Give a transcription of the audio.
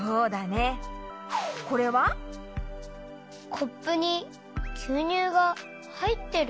コップにぎゅうにゅうがはいってる。